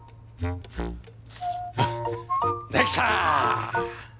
できた！